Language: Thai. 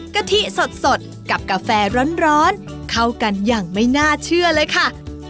กะทิสดกับกาแฟร้อนเข้ากันอย่างไม่น่าเชื่อเลยค่ะ